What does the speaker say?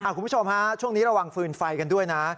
คุณผู้ชมฮะช่วงนี้ระวังฟืนไฟกันด้วยนะ